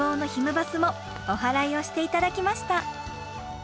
バスもおはらいをして頂きました。